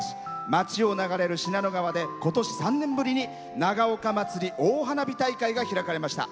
町を流れる信濃川で今年３年ぶりに長岡まつり大花火大会が開かれました。